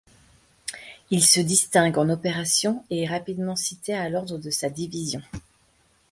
Il se distingue en opérations et est rapidement cité à l'ordre de sa division.